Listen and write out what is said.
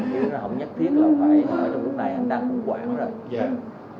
không nhất thiết là phải trong lúc này anh đang cũng quảng rồi